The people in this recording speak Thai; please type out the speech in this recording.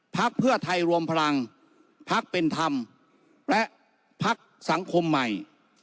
ภักดิ์เพื่อไทยรวมพลังภักดิ์เป็นธรรมและภักดิ์สังคมใหม่